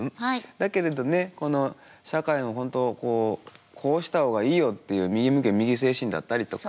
だけれどねこの社会の本当こうこうした方がいいよっていう右向け右精神だったりとか。